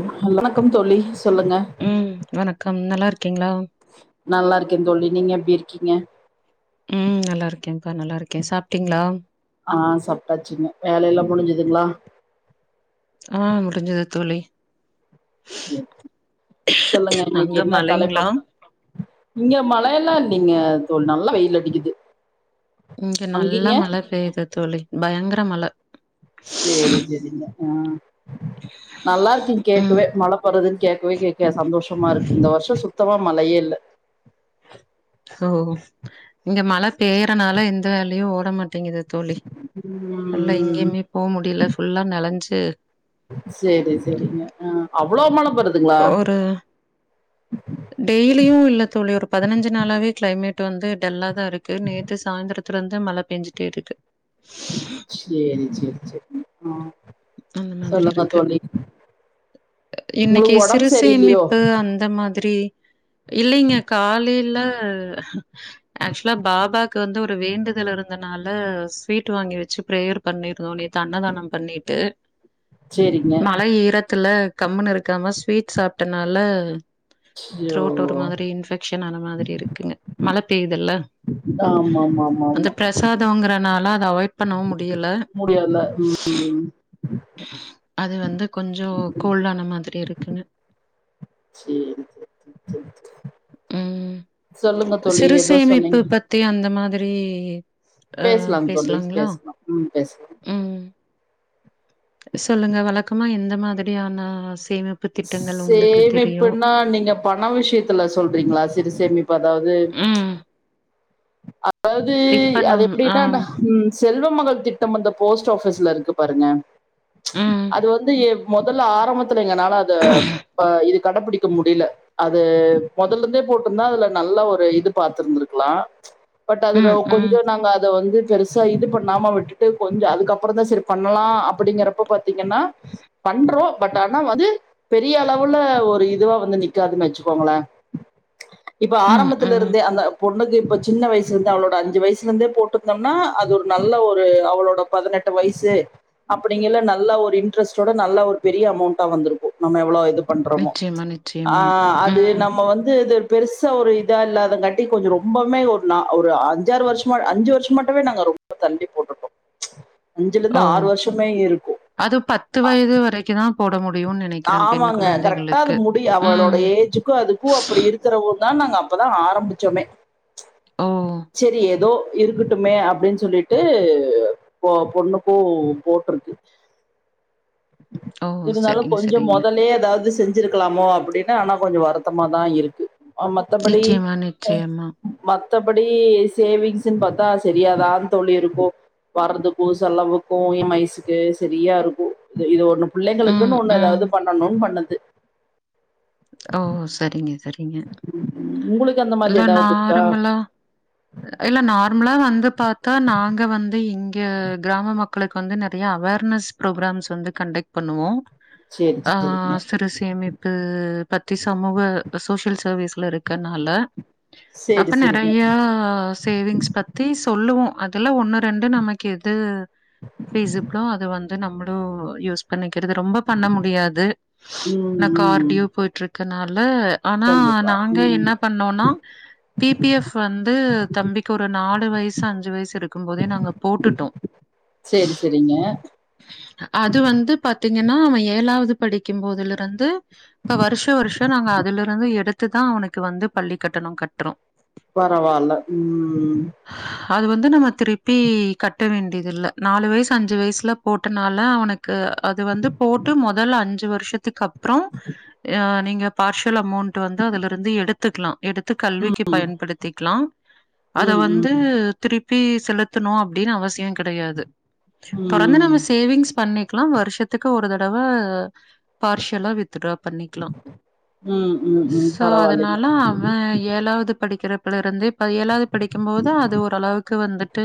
ம் ஹ வணக்கம் தோழி சொல்லுங்க ம் வணக்கம் நல்லா இருக்கீங்களா நல்லா இருக்கே தோழி நீங்க எப்டி இருக்கீங்க ம் நல்லா இருக்கேன்ப்பா நல்லா இருக்கே சாப்ட்டீங்களா ஆ சாப்ட்டாச்சுங்க வேலை எல்லா முடிஞ்சுதுங்களா ஆ முடிஞ்சுது தோழி சொல்லுங்க இன்னைக்கு அங்க என்ன தலைப்ப மழைங்களா இங்க மழையெல்லா இல்லைங்க தோழி நல்லா வெயில் அடிக்கிது இங்க நல்லா மழை பெய்யிது தோழி பயங்கர மழை சேரி சேரிங்க ஆ நல்லா இருக்கீ ம் கேட்கவே மழை போறதுன்னு கேட்கவே கேக் சந்தோஷமா இருக்கு இந்த வருஷ சுத்தமா மழையே இல்ல ஹோ இங்க மழை பெய்யறனால எந்த வேலையு ஓடமாட்டேங்குது தோழி எல்லா ம் எங்கயுமே போக முடியல ஃபுல்லா நலஞ்சு சேரி சேரிங்க ஆ அவ்வளோ மழை வருதுங்களா ஒரு டெய்லியு இல்ல தோழி ஒரு பதினஞ்சு நாளாவே கிளைமேட் வந்து டல்லாதா இருக்கு நேத்து சாய்ந்திரத்துல இருந்து மழை பெஞ்சுட்டே இருக்கு சசேரி சேரி சரி ஆ அந்த மாதிரி சொல்லுங்க இருக்கு தோழி இன்னைக்கு உங்களுக்கு சிறு ஒடம்பு சரியில்லையோ சேமிப்பு அந்த மாதிரி இல்லைங்க காலைல ஆக்சுவலா பாபாக்கு வந்து ஒரு வேண்டுதல் இருந்தனால ஸ்வீட் வாங்கி வச்சு ப்ரேயர் பண்ணிருந்தோ நேத்து அன்னதானம் பண்ணிட்டு சேரிங்க மழை ஈரத்துல கம்முனு இருக்காம ஸ்வீட் சாப்ட்டனால ஐயோ த்ரோட் ஒரு மாதிரி இன்ஃபெக்ட் ஷன் ஆன மாதிரி இருக்குங்க மழ பெய்துல்ல ஆமாமா ஆமா சாதங்கறனால அதை அவாய்ட் பண்ணவு முடியல முடியாதுல ம் அது வந்து கொஞ்சோ கோல்டான மாதிரி இருக்குன்னு சேரி சேரி செரி செரி ம். சொல்லுங்க தோழி எதோ சொன்னீங்க த்தே அந்த மாதிரி அ பேசலாம் தோழி பேசலாங்களா? பேசலாம் ம் பேசலா ம். சொல்லுங்க வழக்கமா எந்த மாதிரியான சேமி சேமிப்புன்னா நீங்க பண விஷயத்துல சொல்றீங்களா சிறு சேமிப்பு அதாவது ம். அதாவது இப்ப அது நம் எப்டின்னா அந்த ஆம். ஹ் ம் செல்வ மகள் திட்டம் அந்த போஸ்ட் ஆபீஸ்ல இருக்கு பாருங்க ம். அது வந்து முதல்ல ஆரம்பத்துல எங்கனால அத இது கடைபிடிக் ட்டு முடியல அது முதலந்தே போட்டிருந்தா அதுல நல்ல ஒரு இது பார்த்திருந்திருக்கலாம் பட் அதுல ம், ம், கொஞ்சோ நாங்க அத வந்து பெருசா ச இது பண்ணாம விட்டுட்டு கொஞ்சோ அதுக்கப்ரோ தான் சரி பண்ணலாம் அப்படிங்கறப்ப பாத்தீங்கன்னா பண்றோம் பட் ஆனா வந்து பெரிய அளவுல ஒரு இதுவா வந்து நிக்காது வச்சுக்கோங்களேன் இப்ப ம், ஆரம்பத்துல ம். இருந்தே அந்த பொண்ணுக்கு இப்போ சின்ன வயசுலர்ந்து அவளோட அஞ்சு வயசுலர்ந்தே போட்டுருந்தம்னா அது ஒரு நல்ல ஒரு அவளோட பதினெட்டு வயசு அப்டிங்கல நல்ல ஒரு இன்ட்ரெஸ்ட்டோட நல்லா ஒரு பெரிய அமௌண்டா வந்துரு நம்ம எவ்வோ இது பண்றோமோ நிச்சயமா, அ நிச்சயமா. அது ம். நம்ம வந்து து பெருசா ஒரு இதா இல்லாதங்கட்டி கொஞ்சோ ரொம்பமே ஒர் நா ஒரு அஞ்சாறு வருஷமா அஞ்சு வருஷம் மட்டமே நாங்க ரொம்ப தள்ளி போட்டுட்டோ அஞ்சுலருந்து ஓ! ஆறு வருஷமே இருக்கூ அது பத்து வயது வரைக்குதா போட முடியு நெனக் ஆமாங்க கரெக்டா அது முடி அவளோட ம். ஏஜுக்கு அதுக்கு அப்பிடி இருக் த்தரவுதா நாங்க அப்பதா ஆரம்பிச்சோமே ஓ! செரி எதோ இருக்கட்டுமே அப்டின் சொல்லிட்டு பொ பொண்ணுக்கு போட்ருக்கு ஓ! இருந்தாலு சரிங்க, கொஞ்சோ சரிங்க. மொதலே எதாது செஞ்சிருக்கலாமோ அப்டினு ஆனா கொஞ்சோ வருத்தமாதா இருக்கு அ மத்தபடி நிச்சயமா, நிச்சயமா. மத்தபடி சேவிங்ஸ்ஸின் பாத்தா செரியாதா தோழி இருக்கு வர்றதுக்கு செலவுக்கு இ எம் ஐசுக்கு சரியா இருக்கு இது இது ஒண்ணு புள்ளைங்க க்கு ம், ஒண்ணு ம். ஏதாவுது பண்ணணுன் பண்ணுது ஓ சரிங்க சரிங்க உங்களுக்கு அந்த மாதிரி எல்லா ஏதாவது இருக்கா நார்மலா இல்ல நார்மலா வந்து பாத்தா நாங்க வந்து இங் க கிராம மக்களுக்கு வந்து நறைய அவேர்னஸ் ப்ரோக்ராம்ஸ் வந்து கண்டக்ட் பண்ணுவோ சேரி அ சேரிங்க சிறு சேமிப்பு பத்தி சமூக சோஷியல் சர்வீஸ்ல இருக்கனால சேரி அப்ப சேரிங்க நெறைய சேவிங்ஸ் பத்தி சொல்லுவோ அதுல ஒண்ணு ரெண்டு நமக்கு எது பீசிப்ளோ அது வந்து நம்முளு யூஸ் பண்ணக்கிறது ரொம்ப பண்ண முடியாது ம் நா ம் கார்டியோ போயிட்றக்கனால ஆனா கண்டிப்பா நாங்க ம் என்ன பண்ணோன்னா பி பி எஃப் வந்து தம்பிக்கு ஒரு நாலு வயசு அஞ்சு வயசு இருக்கும் போதே நாங்க போட்டுட்டோ சேரி செரிங்க அது வந்து பாத்தீங்கன்னா அவ ஏழாவது படிக்கும்போதிலிருந்து இப்ப வருஷ வருஷம் நாங்க அதுலருந்து எடுத்துதா அவனுக்கு வந்து பள்ளிக்கட்டண கட்றோ பரவால்ல ம் அது வந்து நம்ம திருப்பி கட்ட வேண்டியதில்ல நாலு வயசு அஞ்சு வயசுல போட்டனால அவனுக்கு அது வந்து போட்டு மொதல அஞ்சு வருஷத்துக்கப் ப்ரோ ஆ நீங்க பார்ஷியல் அமௌண்ட் வந்து அதுலருந்து எடுத்துக்லா எடுத்து கல்விக்கு பயன்படுத்திக்கலா அத ம் ம் ம் வந்து திருப்பி செலுத்தணு அப்டின் அவசிய கெடையாது தொடர்ந்து நம்ம ம் சேவிங்ஸ் பண்ணிக்லா வருஷத்துக்கு ஒரு தடவ பார்ஷியலா வித்துட்ராப் பண்ணிக்லா ம் ம் ம் சோ பரவாயில்லைங்க அதனால அ ஏழாவது படிக்கிறப்பலருந்தே இப்ப ஏழாவது படிக்கம்போதா அது ஓரளவுக்கு வந்துட்டு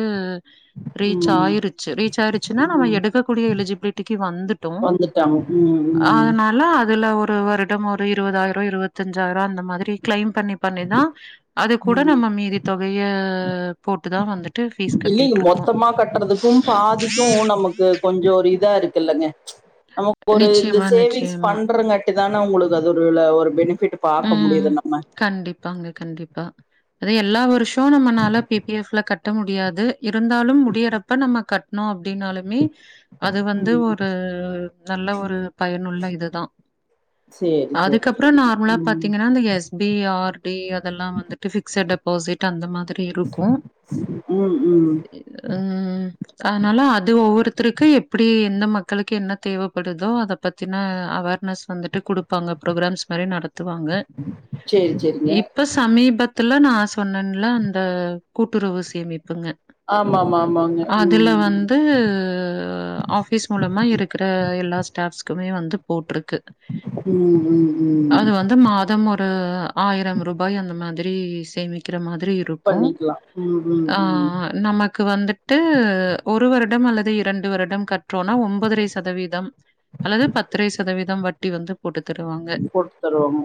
ரீச் ம் ஆயிருச்சு ரீச் ஆயிருச்சுனா நம்ம ம் எடுக் எடுக்கக்கூடிய எலிஜிபிலிட்டிக்கி வந்துட்டோ வந்துட்டாங்க ம் ஆனா ம் தாலு அதுல ஒரு வருடம் ஒரு இருவதாயிரோ இருவத்தஞ்சாயிரோ அந்த மாரி க்ளைம் பண்ணி பண்ணிதா அதுக்கூட ம் நம்ம மீதி தொகைய போட்டுதா வந்துட் இல்லீங்க மொத்தமா கட்றதுக்கும் பாதிக்கு நமக் கு கொஞ்சோ ஒரு இதா இருக்குல்லங்க நமக் ஒரு இந்த நிச்சயமா, சேவிங்ஸ் நிச்சயமா. பண்றங்காட் இதான ஒங்குளுக்கு அதுருல ஒரு பெனிஃபிட் பாக்க ம் முடியுது நம்ம கண்டிப்பாங்க கண்டிப்பா அத எல்லா வருஷ் ஷோ நம்மனால பி பி எஃப்ல கட்ட முடியாது இருந்தாலும் முடியறப்ப நம்ம கட்ணோ அப்டின்னாலுமே அது வந்து ம் ஒரு நல்ல ஒரு பயனுள்ள இதுதா சேரி சேரி அதுக்கப்புற சேரி நார்மலா ம் பாத்தீங்கன்னா அந்த எஸ் பி ஆர் டி அதெல்லா வந்துட்டு பிக்சட் டெபாசிட் அந்த மாரி இருக்கு ம் ம் அ ம் அனால அது ஒவ்வொருத்தருக்கு எப்டி எந்த மக்களுக்கு என்ன தேவப்படுதோ அத பத்தின அவர்னஸ் வந்துட்டு குடுப்பாங்க ப்ரோக்ராம்ஸ் மாரி நடத் துவாங்க சேரி சேரிங்க இப் இப்ப சமீபத்துல நா சொன்னன்ல்ல அந்த கூட்டுறவு சேமிப்புங்க ஆமா ஆமா ஆமாங்க அதுல ம் வந்து ஆஃபீஸ் மூலமாக இருக்ற எல்லா ஸ்டாஃப்ஸ்குமே வந்து போட்ருக்கு ம் ம் ம் அது வந்து மாதம் ஒரு ஆயிரம் ரூபாய் அந்த மாதிரி சேமிக்கிற மாதிரி இருக் ருக்கு பண்ணிக்கலாம் ம் ம் ஆ ம் நமக்கு வந்து ட்டு ஒரு வருடம் அல்லது இரண்டு வருடம் கட்றோனா ஒம்பதரை சதவீதம் அல்லது பத்தரை சதவீதம் வட்டி வந்து போட்டு தருவாங்க போட்டு தருவாங்கோ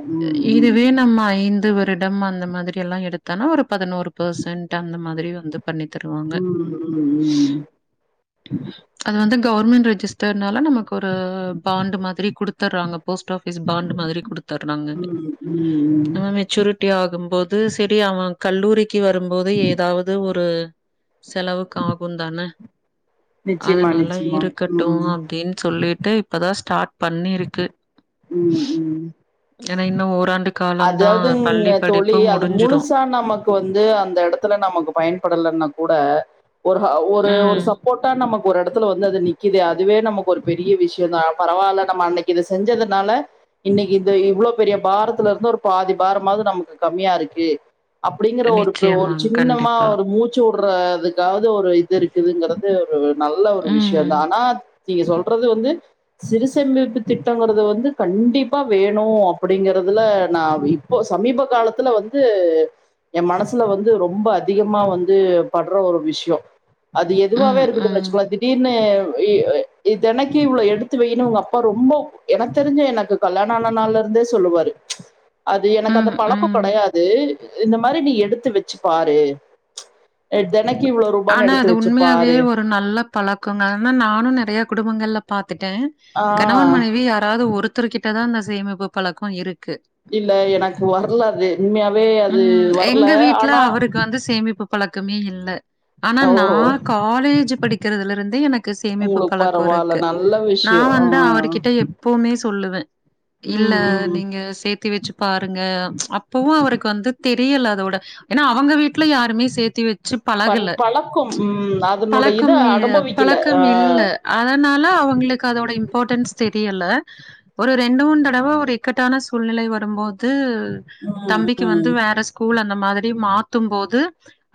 இதுவே நம்ம ஐந்து வருடம் அந்த மாதிரி எல்லா எடுத் தெனோ ஒரு பதினோரு பெர்சன்ட் அந்த மாதிரி வந்து பண்ணி தருவாங்க ம் ம் ம் அது வந்து கவர்மெண்ட் ரெஜிஸ்டர்னால நமக்கு ஒரு பாண்ட் மாதிரி குடுத்துறாங்க போஸ்ட் ஆபிஸ் பாண்ட் மா குடுத்தருறாங்கங்க ம் ம் ம் நம்ம மெச்சூரிட் டி ஆகும் போது செரி அவ கல்லூரிக்கு வரும்போது ஏதாவது ஒரு செலவுக்கு ஆகுந்தான நிச்சயமா அதுனால நிச்சயமா இருக்கட்டு ம் அப்டின் சொல்லிட்டு இப்பதா ஸ்டார்ட் பண்ணிருக்கு ம் ம் ஏனா இன்னு ஓராண்டு காலந்தா பள்ளி படிப்பு முடிஞ்சிரு னா நமக்கு வந்து அந்த எடத்துல நமக்கு பயன்படலன்னா கூட ஒரு ஹா ஒரு ஒரு ம். சப் போட்டா நமக்கு ஒரு இடத்துல வந்து அது நிக்கிது அதுவே நமக்கு ஒரு பெரிய விஷ்யோந்தா பரவால்ல நம்ம அன்னைக்கு இத செஞ்சதுனால இன்னைக்கு இந்த இவ்ளோ பெரிய பாரத்துல இருந்து ஒரு பாதி பாரமாவது நமக்கு கம்மியா இருக்கு அப்டிங்குற ஒரு பு ஒரு நிச்சயமாங்க. சின்னமா கண்டிப்பா. ஒரு மூச் ச்சு விட்ற அதுக்காவது ஒரு இது இருக்குங்கறது ஒரு நல்ல ஒரு ம். விஷ்யோந்தா ஆனா நீங்க சொல்றது வந்து சிறுசு சேமிப்பு திட்டங்கிறது வந்து கண்டிப்பா வேணு அப்டிங்குறதுல நா இப் போ சமீப காலத்துல வந்து எ மனசுல வந்து ரொம்ப அதிகமா வந்து பட்ற ஒரு விஷ்யோ அது எதுவாவே ம், இருக்கட்டுனு ம், வச்சுக்கோ திடீர்னு இ இத்தனக்கி இவ்ளோ எடுத்து வய்யின் அவுங்க அப் அப்பா ரொம்ப எனக் தெரிஞ்சே எனக்கு கல்யாண ஆன நாள்ல இருந்தே சொல்லுவாரு அது எனக்கு அந்த ம், பழக்கொ ம். கெடயாது இந்த மாரி நீ எடுத்து வெச்சு பாரு எ தெனக்கி இவ்ளோ ரூபான்னு ஆனா எடுத்து அது வெச்சு உண்மையாவே பாரு ஒரு நல்லப் பழக்கொங்க ஆனா நானு நறைய குடும்பங்கள்ல பாத்துட்டே ஆ கணவன் மனைவி யாராவ்து ஒருத் த்தருக்கிட்டதா இந்த சேமிப்பு பழக்கோ இருக்கு இல்ல எனக்கு வர்ல அது உண்மையாவே அது வர்ல ஆனா க்காந்து சேமிப்பு பழக்கமே இல்ல ஆனா ஓ நா காலேஜ் படிக்கிறதுல இருந்தே எனக்கு சேமிப்பு உங்களுக்கு பழக்கோ பரவால்ல இருக்கு நல்ல நா விஷயோ ஆ வந்து அவருகிட்ட எப்போமே சொல்லுவே இல்ல ம் ம் நீங்க சேத்தி வச்சு பாருங்க அப்பவு அவருக்கு வந்து தெரியல அதோட ஏன்னா அவங்க வீட் வீ்ட்ல யாருமே சேத்தி வெச்சி பண் பழகல பழக்கம் ம் அதனோட இத பழக்கம் இ அனுபவிக்கல பழக்கம் ஆ இல்ல அதனால அவங்களுக்கு அதோட இம்பார்ட்டன்ஸ் தெரியல ஒரு ரெண்டு மூணு தடவ ஒரு இக்கட்டான சூழ்நிலை வருபோது ம் தம்பிக்கி வந்து ம் வேற ஸ்கூல் அந்த மாதிரி மாத்தும்போது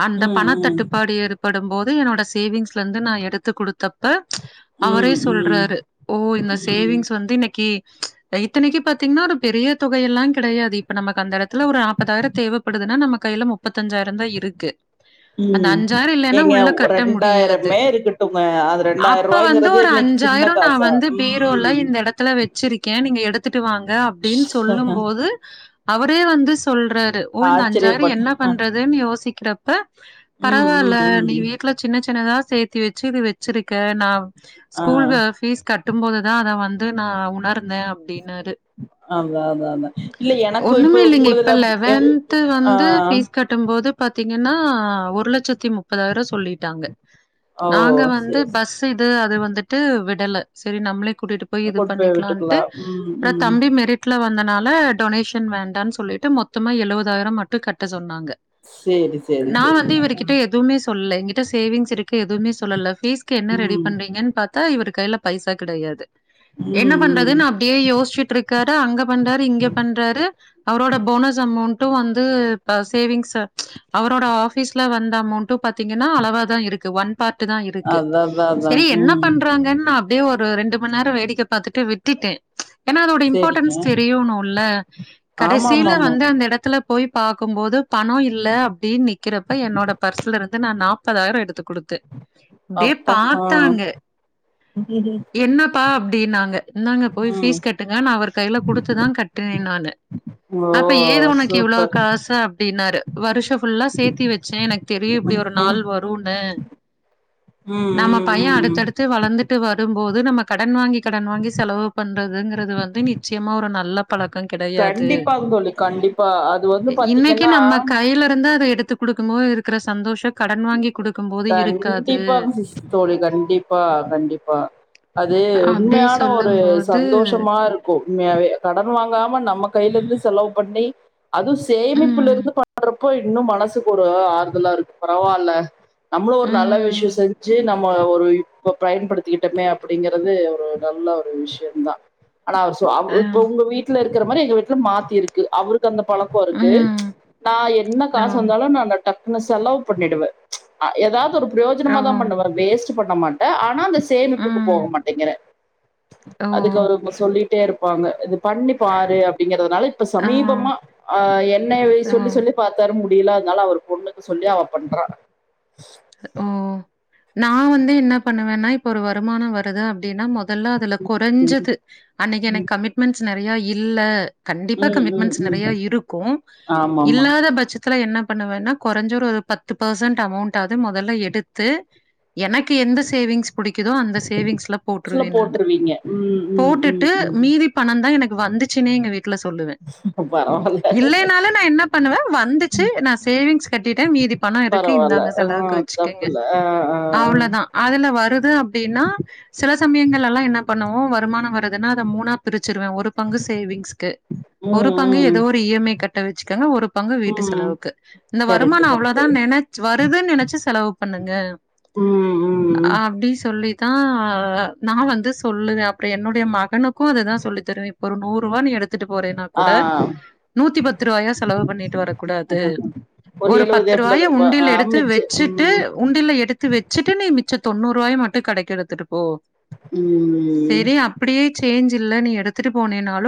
அந்த ம் ம் பணத்தட்டுப்பாடு ஏற்படும் போது என்னோட சேவிங்ஸ்ல இந்து நா எடுத்து குடுத்த ப்ப அவரே ம் ம் சொல்றாரு ஓ இந்த ம் சேவிங்ஸ் வந்து இன்னக்கி அ இத்தனிக்கு பாத்தீங்னா ஒரு பெரிய தொகையெல்லா கெடையாது இப்ப நமக்கு அந்த எடத்துல ஒரு நாப்பதாயிர தேவப்படுதுன்னா நம்ம கைய்யில முப் முப்பத்தஞ்சாயிறோ தா இருக்கு அந்த ம் அஞ்சாயிர இல் ஏங்க ஒரு ரெண்டாயிரமே இருக்கட்டுங்க அந்த அப்ப வந்து ரெண்டாயரூவாய்ங்கறது ஒரு இன்னைக்கி சின்ன காசா ம் எடத்துல வெச்சிருக்கே நீங்க எடுத்துட்டு வாங்க அப்டின் சொல்லும் போது அவரே வந்து சொல்றாரு ஓ இந்த அஞ்சாயிரோ ஆச்சரியப்பட்டே என்ன பண்ற துன் யோசிக்கிறப்ப ம் பரவால்ல ம் ம் ட்ல சின்ன சின்னதா சேத்தி வெச்சு இது வெச்சிருக்க நா ஆ ஸ்கூல் அ ஃபீஸ் கட் கட்டும் போதுதா அத வந்து நா உணர்ந்த அப்டின்னாரு அதா அதா அதா இல்ல எனக்கு இப்ப ஒண்ணுமே இல்லிங்க உங்களுதுல இப்ப எவ் லெவன்த் ஆ வந்து ஃபீஸ் கட் கட்டுபோது பாத்தீங்கன்னா ஒரு லட்சத்தி முப் முப்பதாயிரோ சொல்லிட்டாங்க ஓ நாங்க வந்து சேரி சேரி பஸ் இது அது வந்துட்டு விடல செரி நம்ளே கூட்டிட்டு போய் இது கொண்டு பண்ணிக்கலாட்டு விட்டுக்கலா ம் அப்புற ம் தம்பி மெரிட் ல வந்தனால டொனேஷன் வேண்டான் சொல்லிட்டு மொத்தமா எழுவதாயிரோ மட்டு கட்ட சொன்னாங்க சேரி சேரி நா வந்து சேரிங்க இவருகிட்ட எத் எதுவுமே சொல்ல எங்கிட்ட சேவிங்ஸ் இருக்கு எதுவுமே சொல்லல ஃபீஸ்க்கு என்ன ரெடி ம் பண்றீங்கன்னு பாத் தத்தா இவரு கைல பைசா கெடையாது என்ன ம் ம் பண்றதுனு அப்டியே யோஸ்ச்சுட்டு இருக் க்காரு அங்க பண்றாரு இங்க பண்றாரு அவரோட போனஸ் அமௌண்ட்டு வந்து ப்ப சேவிங்ஸ் அவரோட ஆஃபீஸ்ல வந்த அமௌண்ட் ட்டு பாத்தீங்கன்னா அளவா தா இருக்கு ஒன் பார்ட்டு தா இருக்கு அதா அதா அதா செரி என்ன ம் பண்றாங்கன்னு அப்டியே ஒரு ரெண்டு மண் நேரொ வேடிக்க பாத்துட்டு விட் டிட்டே ஏன்னா அதோட சேரிங்க இம்பார்ட்டன்ஸ் தெரியினுல்ல ஆமா ஆமா கடைசியில ஆமா வந்து அந்த எடத்துல போய் பாக்கும் போது பணோ இல்ல அப்டின் நிக்கறப்ப என்னோட பர்ச வந்து நா நாப்பதாயிரோ எடுத்து குடுத்தே இப்டியே அப்பா ஆ பாத்தாங்க ம் என்னப்பா அப்டின்னாங்க இந்தாங்க போய் ஃபீஸ் கட்டுங்க நா அவர் கைல குடுத்துதா கட்டின நானு ஓ அப்ப ஏது உனக்கு இவ்ளோ சூப்பர் காசு அப்டின்னாரு வருஷோ புல்லா சேத்தி வச்சே எனக் இப்டி ஒரு ம் நாள் வருன்னு ம் நம்ம ம் பைய ம் அடுத்தடுத்து ட்டு வளந்துட்டு வரும்போது நமக் கடன் வாங்கி கடன் வாங்கி செலவு பண்றதுங்கிறது வந்து நிச்சயமா ஒரு நல்ல பழக்கோ கெடையா கண்டிப்பாங் தோழி கண்டி இன்னைக்கு நம்ம கையல இருந்து அத எடுத்து குடுக்கு போது இருக்கிற சந்தோஷோ கடன் வாங்கி குடுக் கண்டிப்பாங் சிஸ் தோழி கண்டிப்பா கண்டிப்பா அது அப்டி உண்மையான ஒரு சொல்லும்போது சந்தோஷமா இருக் கு உண்மையாவே கடன் வாங்காம நம்ம கைல இந்து செலவு பண்ணி அதுவு சேமிப்புல ம், இருந்து பண்றப்போ இன்னு மனசுக்கு ஒரு ஆறுதலா இருக்கு பரவால்ல நம்மளு ஒரு நல்ல விஷயோ ம், செஞ்சு நம் ந ஒரு இப்ப பயன்படுத்திக்கிட்டோமே அப்படிங்கறது ஒரு நல்ல ஒரு விஷயோ தா ஆனா அவரு சொ அ, இப்ப உங்க வீட்ல இருக்கிற மாரி எங்க வீட்ல மார்த்தி இருக்கு அவரு க்கு அந்த பழக்கோ இருக்கு ம், நா என்ன அ. காசு வந்தாலு நா டக்குனு செலவு பண்ணிடுவ ஆ ஏதாவது ஒரு ஆ. புரோஜனமா தா பண்ணுவ வேஸ்ட்டு பண்ண மாட்ட ஆனா அந்த சேமிப்புக்கு போக ம். மாட்டேங்குற ஓ! அதுக்கு ஓ அவரு சொல்லிட்டே இருப்பாங்க இது பண்ணி பாரு அப்டிங்கறதுனால இப்ப ஆ. சமீபமா ஆ என்னயவே ஓ! சொல்லி சொல்லி பாத்தாரு முடியல அதனால அவரு பொண்ணுக்கு சொல்லி அவ பண்றா ஓ நா வந்து என்ன பண்ணுவேன்னா இப்ப ஒரு வருமானோ வருது அப்டின்னா மொத் அதெல்லா அதுல கொறஞ்சது அன்னைக்கு ம் எனக்கு கமிட்மெண்ட்ஸ் நறையா இல்ல கண்டிப்பா ம் ம் கமிட்மெண்ட்ஸ் ம் நிறைய ம் இருக்கு ஆமாமா இல்லாத பச்சத் ஆனா என்ன பண்ணுவன்னா கொறஞ்ச்சரு ஒரு பத்து பர்சன்ட் அமௌண்ட் டாது மொதல்ல எடுத்து எனக்கு எந்த சேவிங்ஸ் புடிக்குதோ அந்த சேவிங்ஸ்ல ஆக்சுவலா போட்ருவே நானு போட்டுருவீங்க ம் ம் போட்டுட்டு ம் ம் மீதி பணந் தா எனக்கு வந்துச்சுன்னே எங்க வீட்ல சொல்லுவ பரவால்ல இல்லனாலு நா என்ன பண்ணுவ வந்துச்சு நா சேவிங்ஸ் கட்டிட்ட மீதி பணோ இருக்கு பரவால்ல இந்தாங்க ஆ அளவுக்கு வச்சுடீங்க தப்பில்ல ஆ ஆ ஆ அவ்ளோதா அதுல வருது அப்டின்னா சில சமயங்கள் எல்லா என்ன பண்ணுவோ வருமானோ வரு அதனா அத மூணா பிரிச்சிருவ ஒரு பங்கு சேவிங்சுக்கு ஒரு பங்கு ம் ஏதோ ஒரு இ எம் ஐ கட்ட வச்சுக்கங்க ஒரு பங்கு வீட்டு ம் ம் செலவுக்கு இந்த வருமானோ கரெக்ட்டு கரெக்ட்டு அவ்வளோதா நனச் வருதுன் நெனச்சு செலவு பண்ணுங்க ம் ம் அப்டி சொல்லி தா நா வந்து சொல்லுவ அப்புறோ என்னுடைய மகனுக்கு அதுதா சொல்லி தருவ ஒரு நூறுவா நீ எடுத்துட்டு போறேன்னா கூட ஆ நூத்தி பத்து ரூவாயா செலவு பண்ணிட்டு வரக்கூடாது ஒரு எழுபது பத்து எண்பது ரூவாய ரூபாய் உண்டியல எடுத் அம்மிச்சு வெச்சுட்டு ம் உண்டில எடுத்து வெச்சிட்டு நீ மிச்ச தொண்ணூறுவாய மட்டு கடைக்கு எடுத்துட்டு போ ம் சரி அப்டியே சேஞ்ச் இல்ல நீ எடுத்துட்டு போனேனாலு